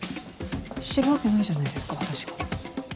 知るわけないじゃないですか私が。